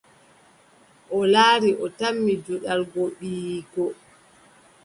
O laari, o tammi juɗal goo, ɓiyiiko ;